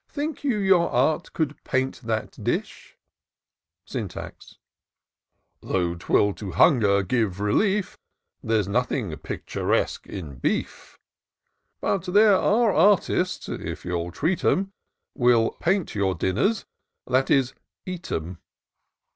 Think you your art could paint that dish ?" Syntax* " Though 'twill to hunger give relief — There's notYnng picturesque in beef; But there are artists — ^if you'll treat 'em ; Will paint your dinners ; that is — eat 'em."